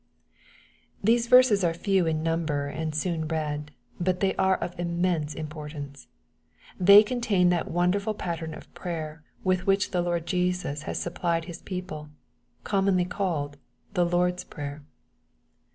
These verses are few in numher, and soon read, hut they are of immense importance. They contain that wonder ful pattern of prayer with which the Lord Jesus has supplied His people, commonly called "the Lord's Prayer.'